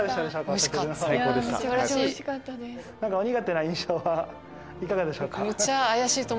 お苦手な印象はいかがでしょうか？